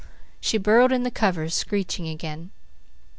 She burrowed in the covers, screeching again.